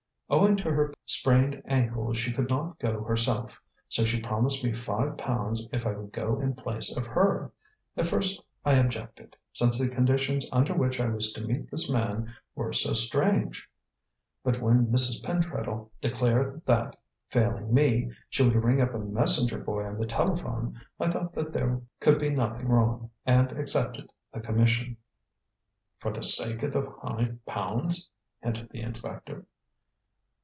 Owing to her sprained ankle she could not go herself, so she promised me five pounds if I would go in place of her. At first I objected, since the conditions under which I was to meet this man were so strange; but when Mrs. Pentreddle declared that, failing me, she would ring up a messenger boy on the telephone, I thought that there could be nothing wrong, and accepted the commission." "For the sake of the five pounds," hinted the inspector.